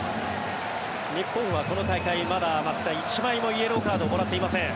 日本はこの大会松木さん、まだ１枚もイエローカードをもらっていません。